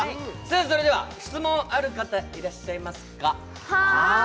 それでは質問ある方、いらっしゃいますか？